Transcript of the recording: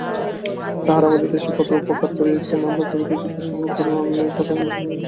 তাঁহারা আমাদের দেশে কত উপকার করিয়াছেন ও করিতেছেন, প্রসঙ্গক্রমে আমি এই কথা বলি।